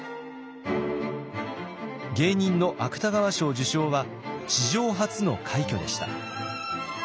芸人の芥川賞受賞は史上初の快挙でした。